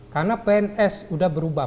karena pns udah berubah